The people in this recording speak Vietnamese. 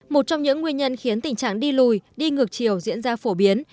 một trong những nguyên nhân khiến tình trạng đi lùi đi ngược chiều diễn ra phổ biến